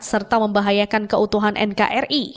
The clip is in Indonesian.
serta membahayakan keutuhan nkri